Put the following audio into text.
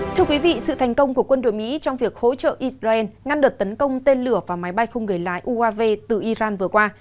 thưa quý vị sự thành công của quân đội mỹ trong việc hỗ trợ israel ngăn đợt tấn công tên lửa vào máy bay không người lái uav từ iran vừa qua